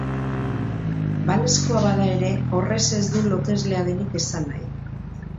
Balezkoa bada ere, horrez ez du loteslea denik esan nahi.